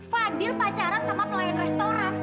fadil pacaran sama pelayan restoran